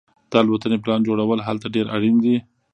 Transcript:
د الوتنې پلان جوړول هلته ډیر اړین دي